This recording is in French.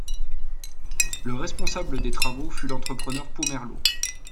Le responsable des travaux fut l'entrepreneur Pomerleau.